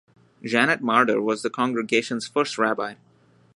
Janet Marder was the congregation's first rabbi.